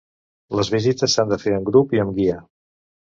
Les visites s'han de fer en grup i amb guia.